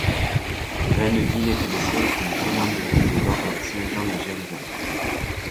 Renneville était le siège d'une commanderie de l'ordre de Saint-Jean de Jérusalem.